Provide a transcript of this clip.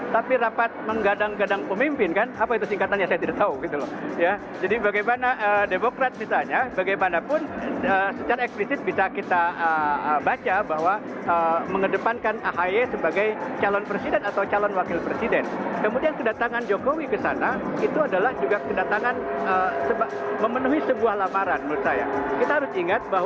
tapi saya ingin katakan bukan dibuat buat gitu loh